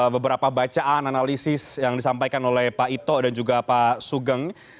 beberapa bacaan analisis yang disampaikan oleh pak ito dan juga pak sugeng